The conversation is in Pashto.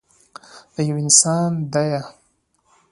دا يو انسان ديه.